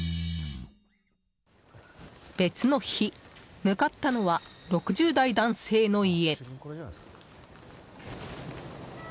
別の日、向かったのは６０代男性の家。